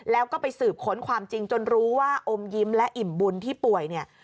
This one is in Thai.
แล้วก็ไปสืบค้นความจริงจนรู้ว่าอมยิ้มและอิ่มบุญที่ป่วยเนี่ย